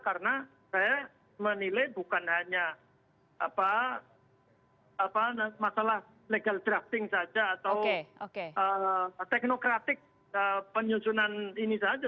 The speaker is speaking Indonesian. karena saya menilai bukan hanya masalah legal drafting saja atau teknokratik penyusunan ini saja